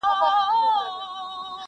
هره ورځ یې وي مرگی زموږ له زوره!.